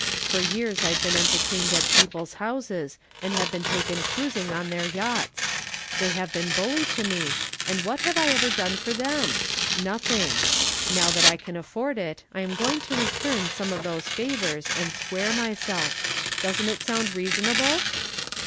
For years I've been entertained at people's houses and have been taken cruising on their yachts. They have always been bully to me, and what have I ever done for them? Nothing. Now that I can afford it, I am going to return some of those favors and square myself. Doesn't it sound reasonable?"